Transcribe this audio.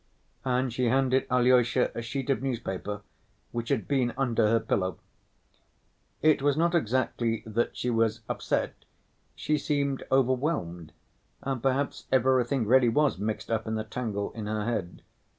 And she handed Alyosha a sheet of newspaper which had been under her pillow. It was not exactly that she was upset, she seemed overwhelmed and perhaps everything really was mixed up in a tangle in her head.